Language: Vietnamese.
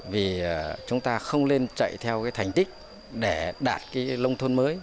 vì chúng ta không nên chạy theo cái thành tích để đạt cái nông thôn mới